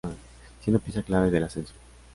Siendo pieza clave del ascenso.